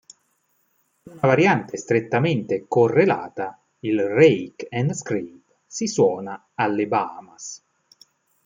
Una variante strettamente correlata, il rake-and-scrape, si suona alle Bahamas.